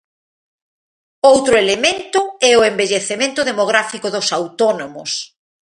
Outro elemento é o envellecemento demográfico dos autónomos.